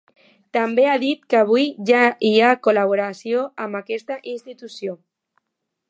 També ha dit que avui ja hi ha col·laboració amb aquesta institució.